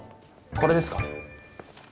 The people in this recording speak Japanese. これですか？